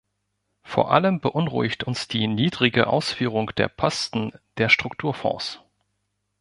Vor allem beunruhigt uns die niedrige Ausführung der Posten der Strukturfonds.